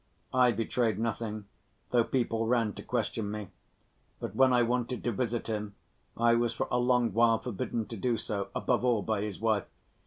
I betrayed nothing, though people ran to question me. But when I wanted to visit him, I was for a long while forbidden to do so, above all by his wife.